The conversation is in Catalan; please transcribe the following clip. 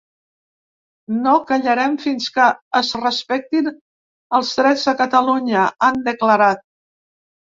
No callarem fins que es respectin els drets de Catalunya, han declarat.